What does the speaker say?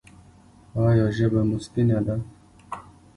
ایا ژبه مو سپینه ده؟